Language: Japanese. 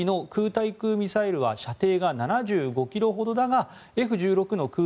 対空ミサイルは射程が７５ｋｍほどだがＦ１６の空